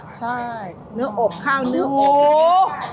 ใช่เนื้ออบข้าวเนื้อโอ